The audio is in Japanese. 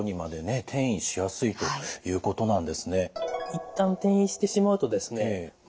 一旦転移してしまうとですね